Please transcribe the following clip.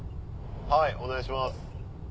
はいお願いします。